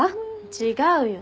違うよ。